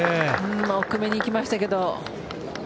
奥めにいきましたけど。